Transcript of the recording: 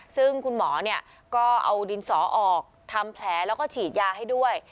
ซึ่งคุณหมอเนี่ยก็เอาดินสอออกทำแผลแล้วก็ฉีดยาให้ด้วย